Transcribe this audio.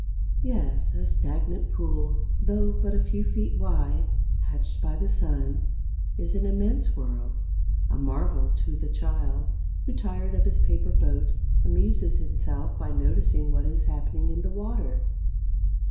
Yes, a stagnant pool, though but a few feet wide, hatched by the sun, is an immense world, a marvel to the child who, tired of his paper boat, amuses himself by noticing what is happening in the water.